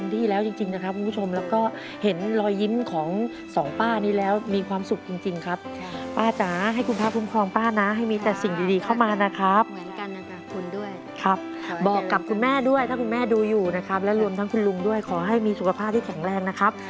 ขอบคุณพี่เอชยามิชัยมากขอบคุณพี่เอชยามิชัยมากขอบคุณพี่เอชยามิชัยมากขอบคุณพี่เอชยามิชัยมากขอบคุณพี่เอชยามิชัยมากขอบคุณพี่เอชยามิชัยมากขอบคุณพี่เอชยามิชัยมากขอบคุณพี่เอชยามิชัยมากขอบคุณพี่เอชยามิชัยมากขอบคุณพี่เอชยามิชัยมากขอบคุณพี่เอชยามิชัยมากขอบคุณพี่เอชยาม